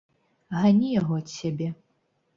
Гані яго ад сябе!